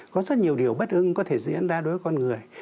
có rất nhiều điều bất cứng có thể diễn ra đối với con người